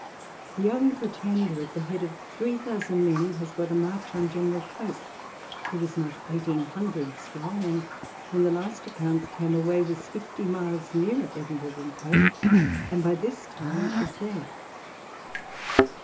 The young Pretender, at the head of three thousand men, has got a march on General Cope, who is not eighteen hundred strong ; and when the last accounts came away, was fifty miles nearer Edinburgh than Cope, and by this time is there.